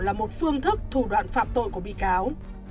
là một phương thức thủ đoạn phạm tội của bị cáo